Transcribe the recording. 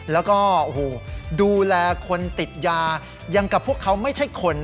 และดูแลคนติดยายังกับพวกเขาไม่ใช่คน